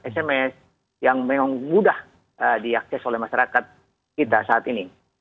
sms yang memang mudah diakses oleh masyarakat kita saat ini